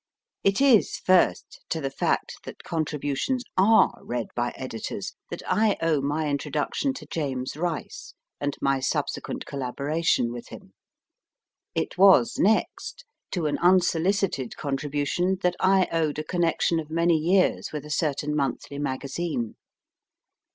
It is, first, to the fact that contributions are read by editors that I owe my introduction to James Rice and my subsequent collaboration with him. It was, next, to an unsolicited con tribution that I owed a connection of many years with a certain monthly magazine.